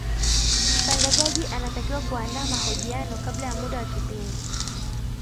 mtangazaji anatakiwa kuandaa mahojiano kabla ya muda wa kipindi